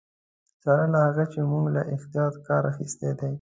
سره له هغه چې موږ له احتیاط کار اخیستی دی.